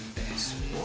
そう？